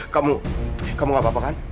kamu kamu gak apa apa kan